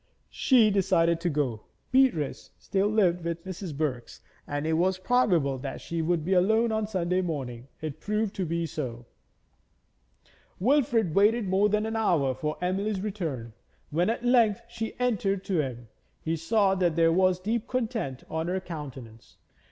She decided to go. Beatrice still lived with Mrs. Birks, and it was probable that she would be alone on Sunday morning. It proved to be so. Wilfrid waited more than an hour for Emily's return. When at length she entered to him, he saw that there was deep content on her countenance.